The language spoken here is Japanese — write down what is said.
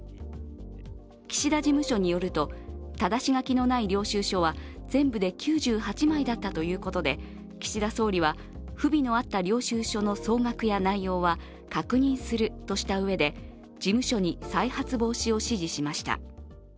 岸田事務所によると、ただし書きのない領収書は全部で９８枚だったということで岸田総理は不備のあった領収書の総額や内容は確認するとしたうえで、事務所に再発防止を指示しました。